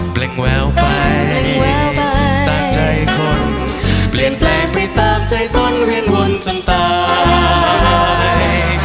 เปล่งแววไปตามใจคนเปลี่ยนแปลงไปตามใจต้นเวียนวนจนตาย